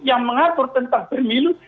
yang mengatur tentang pemilu